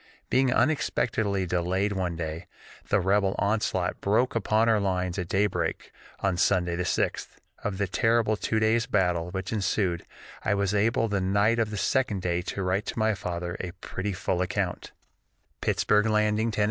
Being unexpectedly delayed one day, the rebel onslaught broke upon our lines at day break on Sunday the 6th. Of the terrible two days battle which ensued, I was able the night of the second day to write to my father a pretty full account: "_Pittsburg Landing, Tenn.